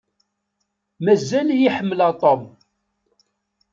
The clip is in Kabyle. Mazal-iyi ḥemmleɣ Tom.